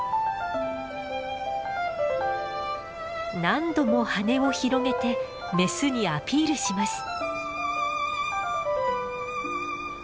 何度も羽を広げてメスにアピールします。